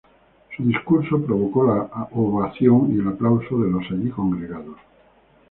Su discurso provocó la ovación y el aplauso de los allí congregados.